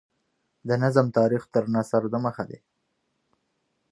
د نظم تاریخ تر نثر دمخه دﺉ.